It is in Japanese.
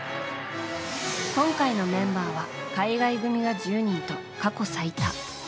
今回のメンバーは海外組が１０人と過去最多。